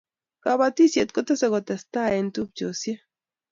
kabatishiet kotese kotestai eng' tuptoshiek